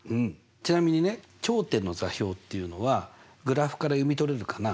ちなみにね頂点の座標っていうのはグラフから読み取れるかな？